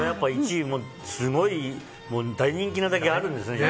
１位すごい大人気なだけあるんですね。